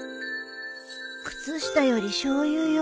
靴下よりしょうゆよ。